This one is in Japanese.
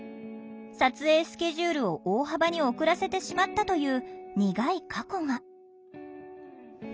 撮影スケジュールを大幅に遅らせてしまったという苦い過去が。